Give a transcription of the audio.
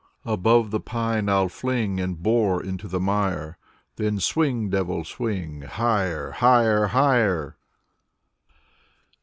Above the pine Fll fling And bore into the mire. Then swing, devil, swing — Higher, higher, higher!